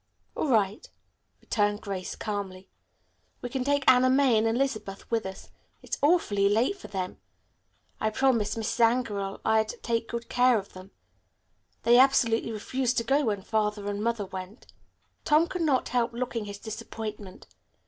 "All right," returned Grace calmly. "We can take Anna May and Elizabeth with us. It's awfully late for them. I promised Mrs. Angerell I'd take good care of them. They absolutely refused to go when Father and Mother went." Tom could not help looking his disappointment.